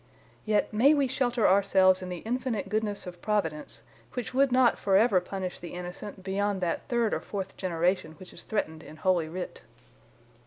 Yet may we shelter ourselves in the infinite goodness of Providence, which would not forever punish the innocent beyond that third or fourth generation which is threatened in Holy Writ.